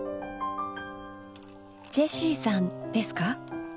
ジェシィさんですか？